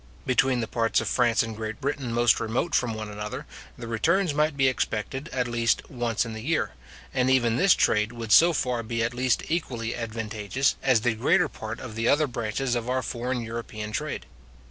Between the parts of France and Great Britain most remote from one another, the returns might be expected, at least, once in the year; and even this trade would so far be at least equally advantageous, as the greater part of the other branches of our foreign European trade.